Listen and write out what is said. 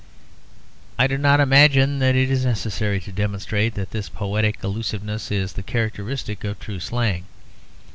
I do not imagine that it is necessary to demonstrate that this poetic allusiveness is the characteristic of true slang.